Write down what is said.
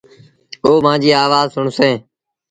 او مآݩجيٚ آوآز سُڻسيݩ